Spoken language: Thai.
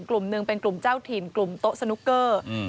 กลุ่มหนึ่งเป็นกลุ่มเจ้าถิ่นกลุ่มโต๊ะสนุกเกอร์